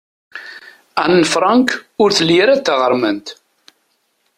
Anne Frank ur telli ara d taɣermant.